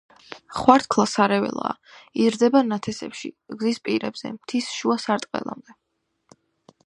ხვართქლა სარეველაა, იზრდება ნათესებში, გზის პირებზე, მთის შუა სარტყელამდე.